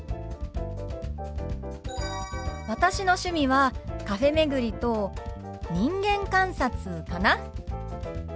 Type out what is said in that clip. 私の趣味はカフェ巡りと人間観察かな。